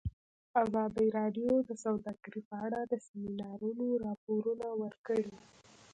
ازادي راډیو د سوداګري په اړه د سیمینارونو راپورونه ورکړي.